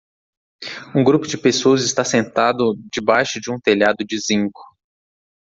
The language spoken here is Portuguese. Um grupo de pessoas está sentado debaixo de um telhado de zinco.